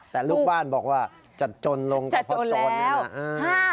แต่ลูกบ้านบอกว่าจะจนลงก็เพราะโจรนี่นะ